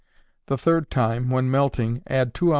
The third time, when melting, add 2 oz.